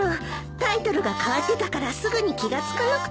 タイトルが変わってたからすぐに気が付かなくて。